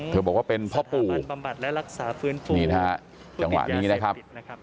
เธอบอกว่าเป็นพ่อปู่นี่นะครับจังหวะนี้นะครับ